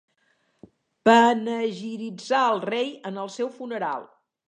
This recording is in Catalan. Panegiritzar el rei en el seu funeral.